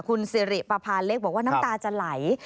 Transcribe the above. คุณสิริประพาเล็กบอกว่าน้ำตาจะไหล